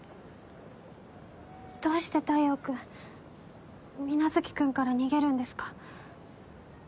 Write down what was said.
どうして太陽君皆月君から逃げるんですか？